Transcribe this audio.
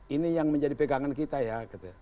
ini yang menjadi pegangan kita ya